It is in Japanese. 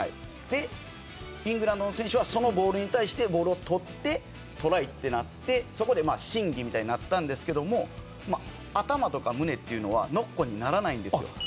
イングランドの選手はそのボールに対してボールを取ってトライってなって審議みたいになったんですけど頭とか胸というのはノックオンにならないんですよ。